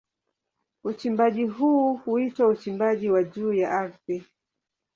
Uchimbaji huu huitwa uchimbaji wa juu ya ardhi.